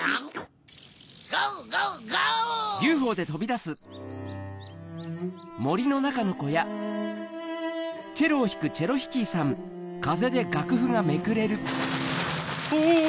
ゴーゴーゴー！おぉ！